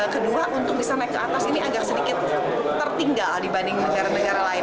kedua untuk bisa naik ke atas ini agak sedikit tertinggal dibanding negara negara lain